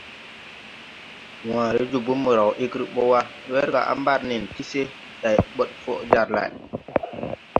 Wããre joge mo raw ɛgre bɔ wa, werga a mbar nen ti se, day bod fɔ jar lay.